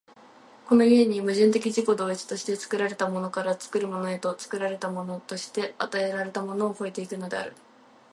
この故に矛盾的自己同一として、作られたものから作るものへと、作られたものとして与えられたものを越え行くのである。